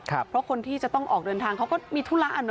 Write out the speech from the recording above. เพราะคนที่จะต้องออกเดินทางเขาก็มีธุระ